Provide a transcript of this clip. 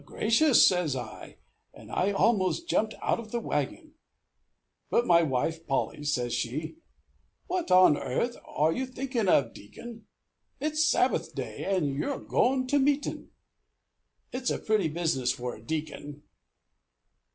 Gracious says I, and I almost jumped out of the wagon. But my wife Polly, says she, 'What on airth are you thinkin' of, Deacon? It's Sabbath day, and you're goin' to meetin'! It's a pretty business for a deacon!'